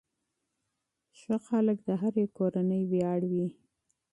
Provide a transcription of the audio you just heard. ښه خلک د هرې کورنۍ ویاړ وي.